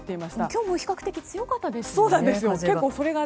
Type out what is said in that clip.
今日も比較的強かったですよね、風が。